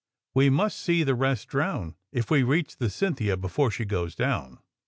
"We must see the rest drown^ — if we reach the ^Cynthia' before she goes down.''